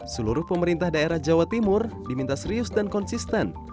seluruh pemerintah daerah jawa timur diminta serius dan konsisten